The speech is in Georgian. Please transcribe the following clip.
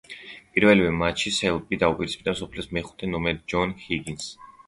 პირველივე მატჩში სელბი დაუპირისპირდა მსოფლიო მეხუთე ნომერ ჯონ ჰიგინსს.